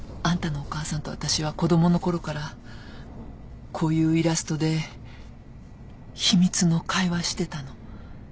あんたのお母さんと私は子供のころからこういうイラストで秘密の会話してたの。